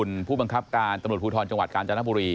คุณผู้บังคับการตำรวจภูทรจังหวัดกาญจนบุรี